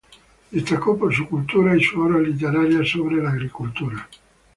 Destacó por su cultura y sus obras literarias sobre la agricultura.